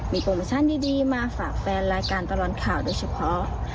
มีโปรโมชั่นดีมาฝากแฟนรายการตลอดข่าวโดยเฉพาะ